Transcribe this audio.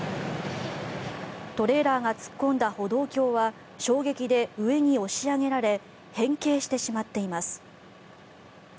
トレーラーが突っ込んだ歩道橋は衝撃で上に押し上げられ変形してしまっています。